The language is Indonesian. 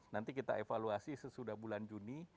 nanti kita evaluasi sesudah bulan juni